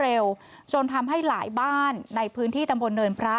รวดเร็วจนทำให้หลายบ้านในพื้นที่ตำวนเนินพระ